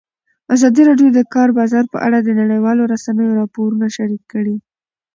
ازادي راډیو د د کار بازار په اړه د نړیوالو رسنیو راپورونه شریک کړي.